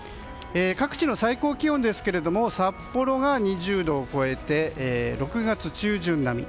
各地の最高気温ですが札幌が２０度を超えて６月中旬並み。